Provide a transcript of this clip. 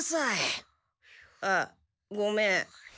あごめん。